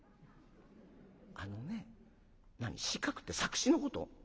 「あのね何詞書くって作詞のこと？